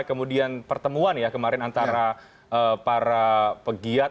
kemudian pertemuan ya kemarin antara para pegiat